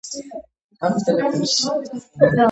ადმინისტრაციული ცენტრია სოფელი ანტონი.